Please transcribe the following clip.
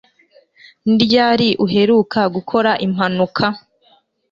Ni ryari uheruka gukora impanuka